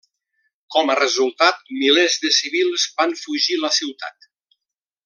Com a resultat, milers de civils van fugir la ciutat.